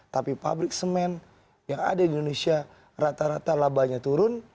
tapi pabrik semen yang ada di indonesia rata rata labanya turun